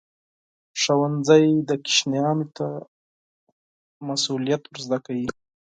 ښوونځی ماشومانو ته مسؤلیت ورزده کوي.